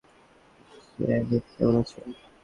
Janet কেমন আছে?